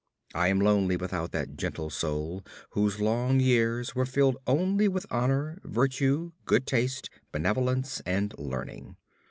I am lonely without that gentle soul whose long years were filled only with honor, virtue, good taste, benevolence, and learning.